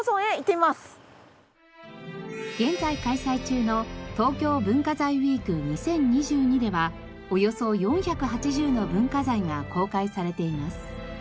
現在開催中の「東京文化財ウィーク２０２２」ではおよそ４８０の文化財が公開されています。